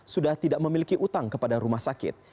sudah tidak memiliki utang kepada rumah sakit